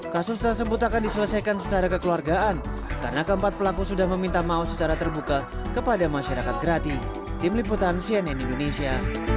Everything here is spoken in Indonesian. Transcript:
kasus tersebut akan diselesaikan secara kekeluargaan karena keempat pelaku sudah meminta maaf secara terbuka kepada masyarakat grati tim liputan cnn indonesia